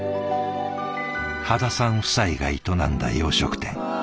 羽田さん夫妻が営んだ洋食店。